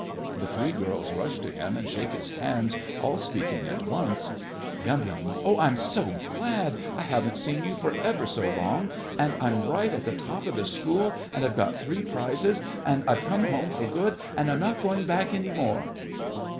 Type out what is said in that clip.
(The three Girls rush to him and shake his hands, all speaking at once.) YUM. Oh, I'm so glad! I haven't seen you for ever so long, and I'm right at the top of the school, and I've got three prizes, and I've come home for good, and I'm not going back any more!